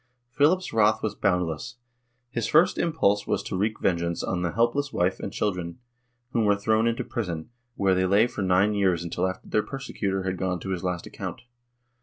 Philip's wTath was boundless. His first impulse was to wreak vengeance on the helpless wife and children, who were thrown into prison, where they lay for nine years until after their persecutor had gone to his last account.